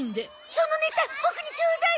そのネタボクにちょうだい！